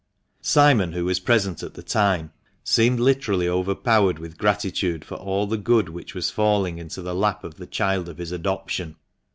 Simon, who was present at the time, seemed literally overpowered with gratitude for all the good which was falling into the lap of the child of his adoption.